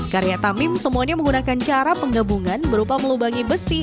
karya tamim semuanya menggunakan cara penggabungan berupa melubangi besi